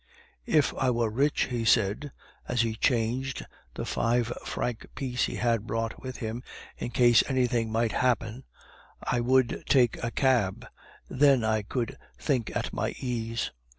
"If I were rich," he said, as he changed the five franc piece he had brought with him in case anything might happen, "I would take a cab, then I could think at my ease."